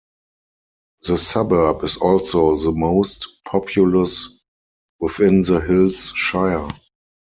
The suburb is also the most populous within the Hills Shire.